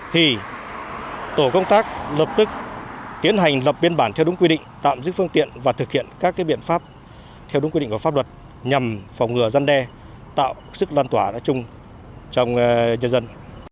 thì tổ công tác lập tức tiến hành lập biên bản theo đúng quy định tạm giữ phương tiện và thực hiện các biện pháp theo đúng quy định của pháp luật nhằm phòng ngừa gian đe tạo sức loan tỏa đã chung trong nhân dân